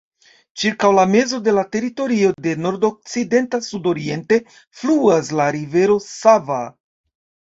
Ĉirkaŭ la mezo de la teritorio, de nordokcidenta sudoriente, fluas la rivero Sava.